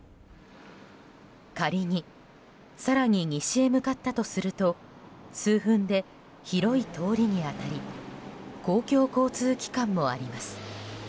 仮に更に西へ向かったとすると数分で広い通りに当たり公共交通機関もあります。